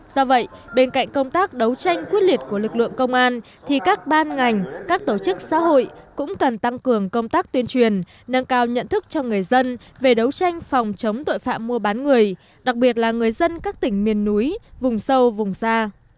do vậy bên cạnh công tác đấu tranh quyết liệt của lực lượng công an thì các ban ngành các tổ chức xã hội cũng cần tăng cường công tác tuyên truyền nâng cao nhận thức cho người dân về đấu tranh phòng chống tội phạm mua bán người đặc biệt là người dân các tỉnh miền núi vùng sâu vùng xa